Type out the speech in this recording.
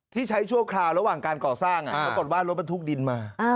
ที่ใช้ชั่วคราวระหว่างการก่อสร้างแล้วก็บอกว่ารถมันทุกดินมา